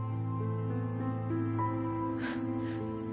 フッ。